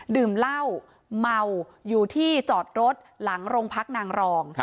ดื่มเหล้าเมาอยู่ที่จอดรถหลังโรงพักนางรอง